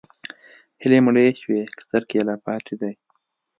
هیلې مړې شوي که څرک یې لا پاتې دی؟